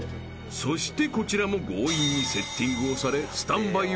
［そしてこちらも強引にセッティングをされスタンバイＯＫ］